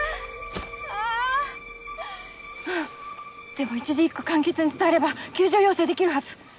でも一字一句簡潔に伝えれば救助要請できるはず！